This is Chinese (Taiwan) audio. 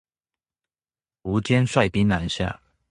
苻堅率兵南下